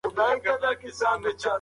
ستونزې حل کول د کورنۍ د پلار کار دی.